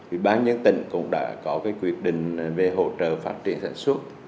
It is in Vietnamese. ủy ban nhân tỉnh cũng đã có quyết định về hỗ trợ phát triển sản xuất